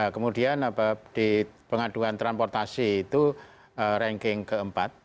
kemudian di pengaduan transportasi itu ranking keempat